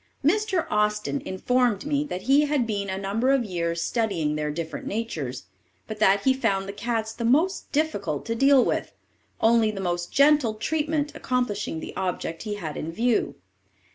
Mr. Austin informed me that he had been a number of years studying their different natures, but that he found the cats the most difficult to deal with, only the most gentle treatment accomplishing the object he had in view.